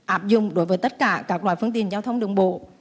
áp dụng đối với tất cả các loại phương tiện giao thông đường bộ